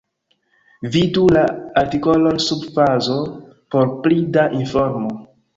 Vidu la artikolon sub fazo por pli da informo.